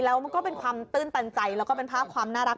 แล้วมันก็เป็นความตื้นตันใจแล้วก็เป็นภาพความน่ารัก